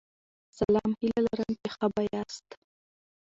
سلام هیله لرم چی ښه به یاست